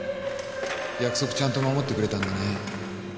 約束ちゃんと守ってくれたんだね